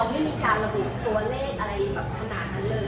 ไม่มีการระบุตัวเลขอะไรแบบขนาดนั้นเลย